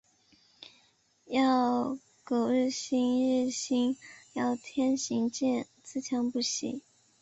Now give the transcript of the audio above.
要苟日新，日日新。要天行健，自强不息。